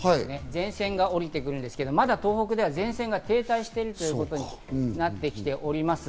前線が下りてくるんですけど、まだ東北では前線が停滞しているということになってきています。